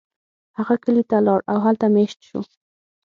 هغه کلی ته لاړ او هلته میشت شو.